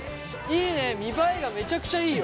いいね見栄えがめちゃくちゃいいよ。